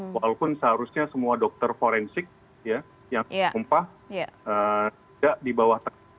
walaupun seharusnya semua dokter forensik yang tumpah tidak di bawah tanah